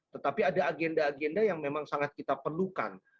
tetapi ada agenda agenda yang memang sangat kita perlukan